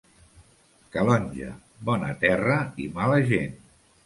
Calonge, bona terra i mala gent.